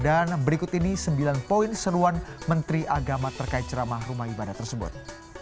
dan berikut ini sembilan poin seruan menteri agama terkait ceramah rumah ibadah tersebut